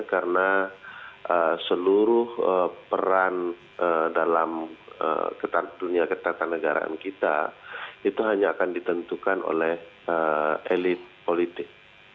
karena seluruh peran dalam dunia ketatanegaraan kita itu hanya akan ditentukan oleh elit politik